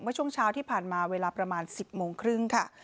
ช่วงเช้าที่ผ่านมาเวลาประมาณ๑๐โมงครึ่งค่ะ